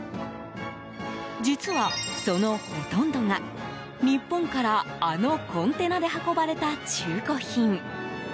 実は、そのほとんどが日本からあのコンテナで運ばれた中古品。